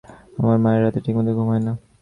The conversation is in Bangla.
আমার মায়ের রাতে ঠিকমত ঘুম হয় না।